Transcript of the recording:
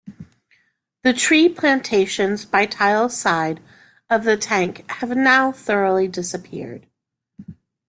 The tree plantations by tile side of the tank have now thoroughly disappeared.